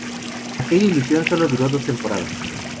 Aquella ilusión sólo duró dos temporadas.